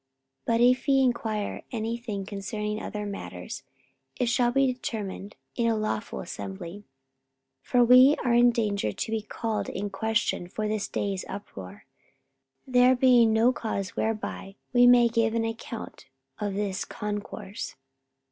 44:019:039 But if ye enquire any thing concerning other matters, it shall be determined in a lawful assembly. 44:019:040 For we are in danger to be called in question for this day's uproar, there being no cause whereby we may give an account of this concourse.